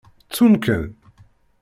Ttun-ken.